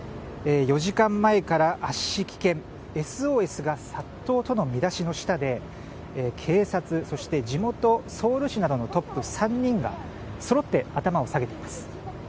４時間前から圧死危険、ＳＯＳが殺到との見出しの下で警察、そして地元ソウル市などのトップ３人が揃って頭を下げています。